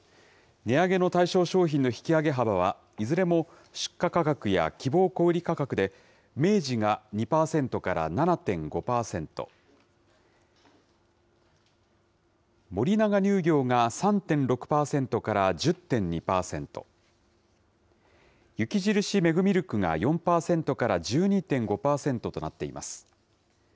値上げの対象商品の引き上げ幅は、いずれも出荷価格や希望小売り価格で明治が２％から７．５％、森永乳業が３．６％から１０．２％、雪印メグミルクが４％から１２．５％となっています。